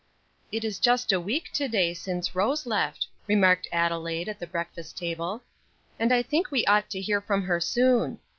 "It is just a week to day since Rose left," remarked Adelaide at the breakfast table, "and I think we ought to hear from her soon.